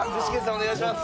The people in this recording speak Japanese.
お願いします。